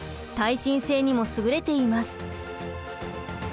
耐震性にもすぐれています。